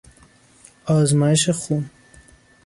آزمایش خون